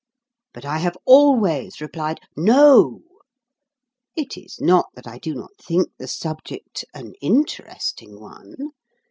But I have always replied, "No." It is not that I do not think the subject an interesting one.